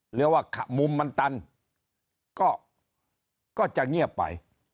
หรือว่ามุมมันตันก็จะเงียบไป